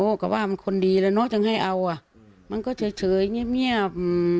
โอ้ก็ว่ามันคนดีเลยเนอะจงให้เอาอ่ะมันก็เฉยอย่างเงียบ